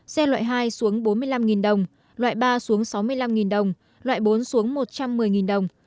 xe loại hai xuống bốn mươi năm đồng loại ba xuống sáu mươi năm đồng loại bốn xuống một trăm một mươi đồng